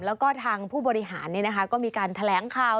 แล้วก็ทางผู้บริหารก็มีการแถลงข่าว